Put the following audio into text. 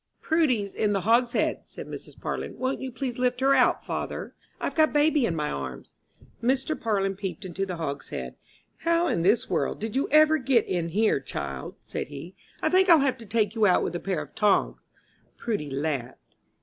"Prudy's in the hogshead," said Mrs. Parlin. "Won't you please lift her out, father? I've got baby in my arms." Mr. Parlin peeped into the hogshead. "How in this world did you ever get in here, child?" said he. "I think I'll have to take you out with a pair of tongs." Prudy laughed.